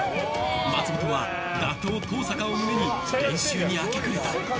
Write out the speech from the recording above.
松本は、打倒・登坂を胸に練習に明け暮れた。